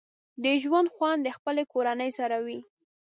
د ژوند خوند د خپلې کورنۍ سره وي